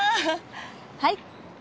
はい。